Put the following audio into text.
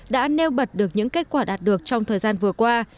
đã nêu bật được những kết quả đạt được trong thời gian vừa qua